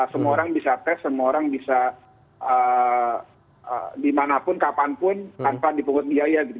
semua orang bisa tes semua orang bisa dimanapun kapanpun tanpa dipungut biaya gitu